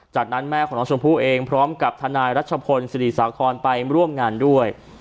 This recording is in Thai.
จากนั้นแม่ของน้องชมพู่เองพร้อมกับทนายรัชพลศิริสาครไปร่วมงานด้วย